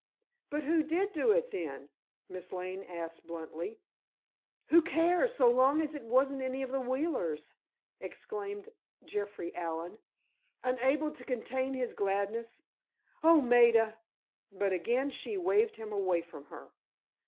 "But who did do it, then?" Miss Lane asked, bluntly. "Who cares, so long as it wasn't any of the Wheelers!" exclaimed Jeffrey Allen, unable to contain his gladness. "Oh, Maida——" But again she waved him away from her.